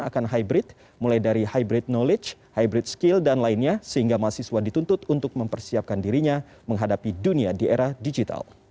akan hybrid mulai dari hybrid knowledge hybrid skill dan lainnya sehingga mahasiswa dituntut untuk mempersiapkan dirinya menghadapi dunia di era digital